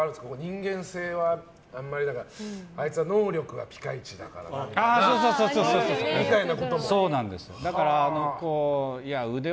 人間性はあんまりであいつは能力はピカイチだけどみたいな。